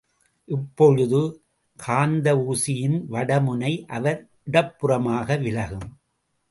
இப்பொழுது காந்த ஊசியின் வடமுனை அவர் இடப்புறமாக விலகும்.